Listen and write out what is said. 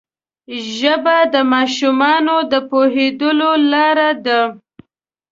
ژبه د ماشومانو د پوهېدو لاره ده